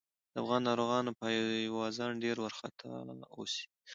د افغان ناروغانو پايوازان ډېر وارخطا اوسي.